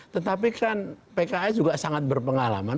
tetapi kan pks juga sangat berpengalaman